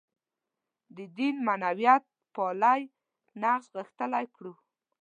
د دین معنویتپالی نقش غښتلی کړو.